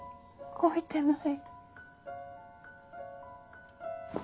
動いてない。